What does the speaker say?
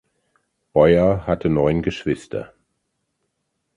Boyer hatte neun Geschwister.